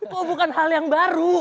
oh bukan hal yang baru